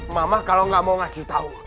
mama kalau gak mau ngasih tau